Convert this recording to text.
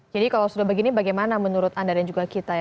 jadi kalau sudah begini bagaimana menurut anda dan juga kita ya